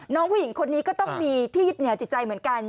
น้องผู้หญิงคนนี้ก็ต้องมีที่ยึดเหนียวจิตใจเหมือนกัน